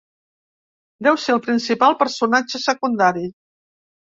Deu ser el principal personatge secundari.